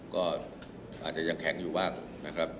ก็อาจจะยังแข็งอยู่บ้างนะครับ